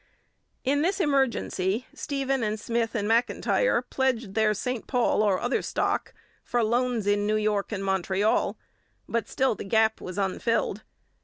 In this emergency Stephen and Smith and M'Intyre pledged their St Paul or other stock for loans in New York and Montreal, but still the gap was unfilled.